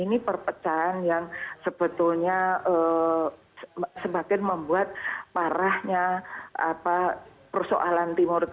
ini perpecahan yang sebetulnya semakin membuat parahnya persoalan timur